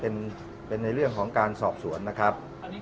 อ๋อขออนุญาตเป็นในเรื่องของการสอบสวนนะครับ